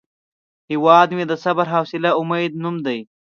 هیواد مې د صبر، حوصله او امید نوم دی